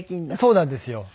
そうなんですよ。